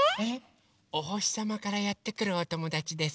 おほしさまからやってくるおともだちです。